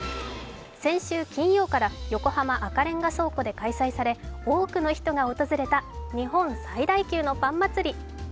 先週金曜から横浜・赤レンガ倉庫で開催され多くの人が訪れた日本最大級のパン祭り。